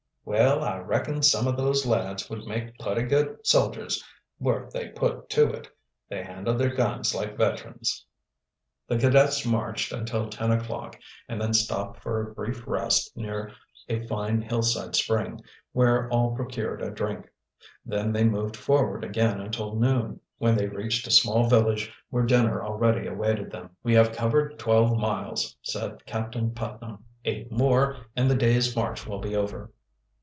"Well, I reckon some o' those lads would make putty good soldiers, were they put to it. They handle their guns like veterans." The cadets marched until ten o'clock and then stopped for a brief rest near a fine hillside spring, where all procured a drink. Then they moved forward again until noon, when they reached a small village where dinner already awaited them. "We have covered twelve miles," said Captain Putnam. "Eight more, and the day's march will be over."